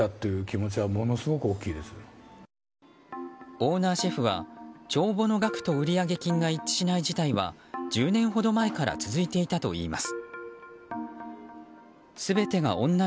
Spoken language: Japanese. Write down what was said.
オーナーシェフは帳簿の額と売上金が一致しない事態は１０年ほど前から続いていたといいます。